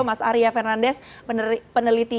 mas arya fernandes peneliti